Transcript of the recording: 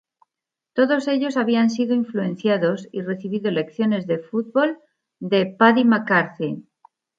Todos ellos habían sido influenciados y recibido lecciones de fútbol de "Paddy" McCarthy.